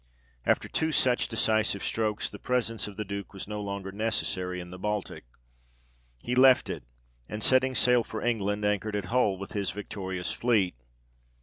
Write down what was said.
After two such decisive strokes, the presence of the duke was no longer necessary in the Baltic ; he left it, and setting sail for England, anchored at Hull with his victorious fleet.